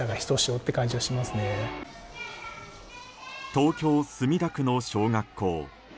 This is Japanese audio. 東京・墨田区の小学校。